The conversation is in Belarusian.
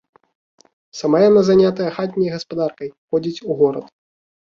Сама яна занятая хатняй гаспадаркай, ходзіць у горад.